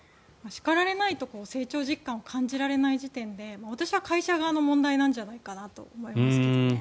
叱られないと成長実感を感じられない時点で私は会社側の問題なんじゃないかなと思いますけどね。